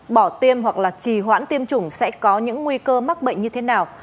bỏ tiêm hoặc là trì hoãn tiêm chủng sẽ có những nguy cơ mắc bệnh như thế nào